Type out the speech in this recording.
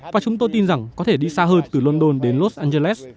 và chúng tôi tin rằng có thể đi xa hơn từ london đến los angeles